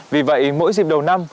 vì vậy mỗi dịp đầu năm